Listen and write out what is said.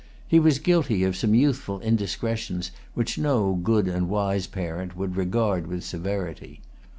He was guilty of some youthful indiscretions, which no good and wise parent would regard with severity.